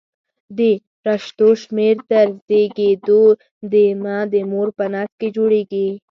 د رشتو شمېر تر زېږېدو د مه د مور په نس کې جوړېږي.